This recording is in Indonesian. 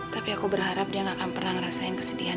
tapi aku berharap dia gak akan pernah ngerasain kesedihan